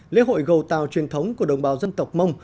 lễ hội gầu tàu truyền thống của đồng bào dân tộc mông